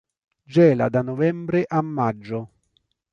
Gela da novembre a maggio.